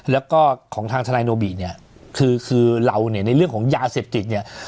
แล้วก็ของทางทนายโนบิเนี่ยคือคือเราเนี่ยในเรื่องของยาเสพติดเนี่ย